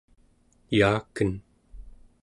yaaken